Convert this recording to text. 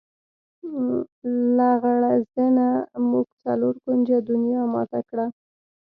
لغړزنیه! موږ څلور کونجه دنیا ماته کړه.